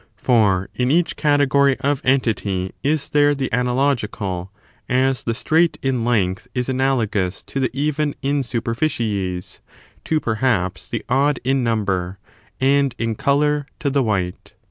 For in each category of entity is there the analogical ; as the straight in length is analogous to the even in superficies, to, perhaps, the odd in number, and in colour to the white.